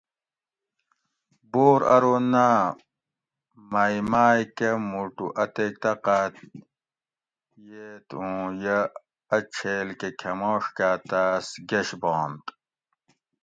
"بور ارو"" نہ مئ مائ کہ موٹو اتیک طاقت یٔت اُوں یہ اۤ چھیل کہۤ کھۤماش کاۤ تاس گیشبانت"""